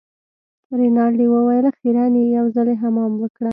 رینالډي وویل خیرن يې یو ځلي حمام وکړه.